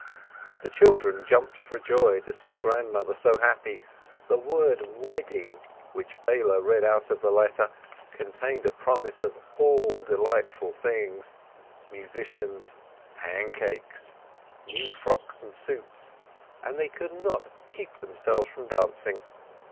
The children jumped for joy to see Grandmother so happy. The word "wedding," which Beile read out of the letter, contained a promise of all delightful things: musicians, pancakes, new frocks and suits, and they could not keep themselves from dancing.